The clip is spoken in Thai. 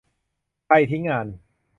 ใครทิ้งงาน